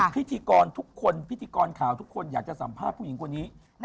พิธีกรทุกคนพิธีกรข่าวทุกคนอยากจะสัมภาษณ์ผู้หญิงคนนี้